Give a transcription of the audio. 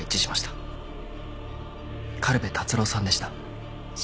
苅部達郎さんでした。